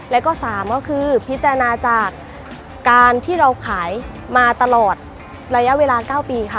และ๓พิจารณาจากการที่เราขายมาตลอดระยะเวลา๙ปี